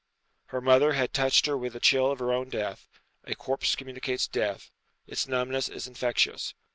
Her mother had touched her with the chill of her own death a corpse communicates death; its numbness is infectious.